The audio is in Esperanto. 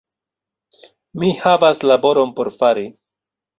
Mi havas laboron por fari